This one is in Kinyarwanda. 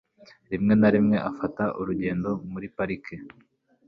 Rimwe na rimwe afata urugendo muri parike.